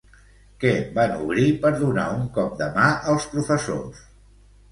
Què van obrir per donar un cop de mà als professors?